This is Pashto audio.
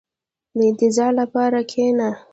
• د انتظار لپاره کښېنه.